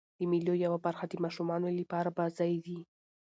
د مېلو یوه برخه د ماشومانو له پاره بازۍ دي.